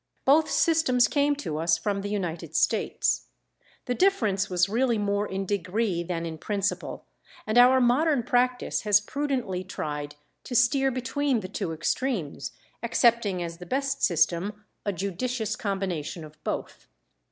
Both systems came to us from the United States. The difference was really more in degree than in principle, and our modern practice has prudently tried to steer between the two extremes, accepting as the best system a judicious combination of both.